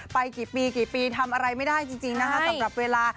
ไปกี่ปีกี่ปีทำอะไรไม่ได้จริงนะคะสำหรับเวลา